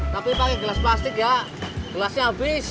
tapi pakai gelas plastik ya gelasnya habis